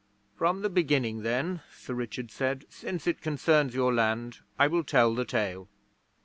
'From the beginning, then,' Sir Richard said, 'since it concerns your land, I will tell the tale.